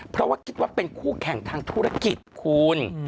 เพราะว่าคิดว่าเป็นคู่แข่งทางธุรกิจคุณ